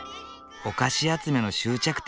お菓子集めの終着点。